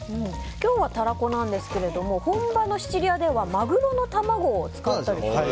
今日はタラコなんですが本場のシチリアではマグロの卵を使ったりするんだそうです。